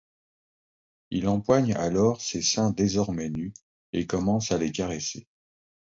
Il empoigne alors ses seins désormais nus et commence à les caresser.